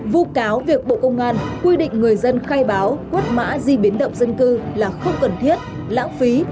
vụ cáo việc bộ công an quy định người dân khai báo quất mã di biến động dân cư là không cần thiết lãng phí